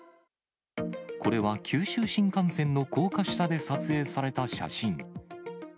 これは九州新幹線の高架下で撮影された写真。